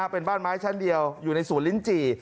เป็นบ้านไม้ชั้นเดียวอยู่ในศูนย์ลิ้นจี่